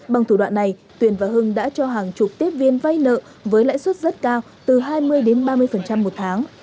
bằng thủ đoạn này tuyền và hưng đã cho hàng chục tiếp viên vay nợ với lãi suất rất cao từ hai mươi ba mươi một tháng